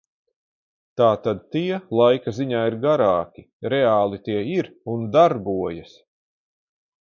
Tātad tie laika ziņā ir garāki, reāli tie ir un darbojas.